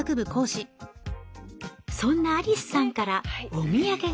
そんなアリスさんからお土産が。